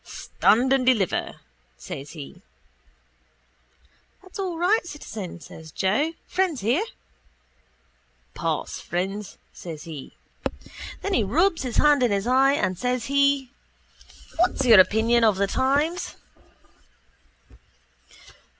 —Stand and deliver, says he. —That's all right, citizen, says Joe. Friends here. —Pass, friends, says he. Then he rubs his hand in his eye and says he: —What's your opinion of the times?